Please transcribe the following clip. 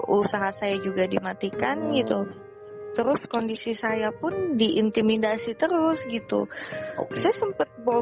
usaha saya juga dimatikan gitu terus kondisi saya pun diintimidasi terus gitu saya sempat bawa